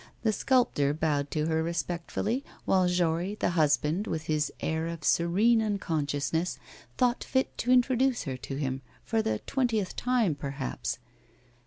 The sculptor bowed to her respectfully, while Jory, the husband, with his air of serene unconsciousness, thought fit to introduce her to him, for the twentieth time, perhaps.